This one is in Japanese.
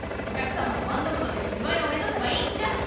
お客様の満足度で２倍を目指せばいいんじゃ！